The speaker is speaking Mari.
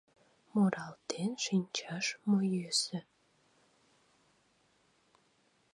Муралтен шинчаш мо йӧсӧ.